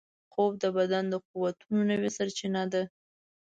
خوب د بدن د قوتونو نوې سرچینه ده